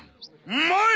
うまい！